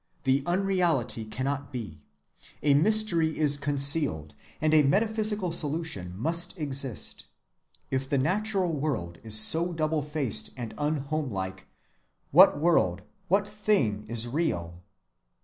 The unreality cannot be. A mystery is concealed, and a metaphysical solution must exist. If the natural world is so double‐faced and unhomelike, what world, what thing is real?